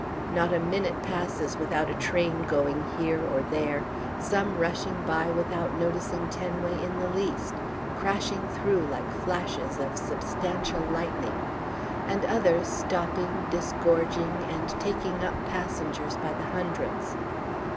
Not a minute passes without a train going here or there, some rushing by without noticing Tenway in the least, crashing through like flashes of substantial lightning, and others stopping, disgorging and taking up passengers by the hundreds.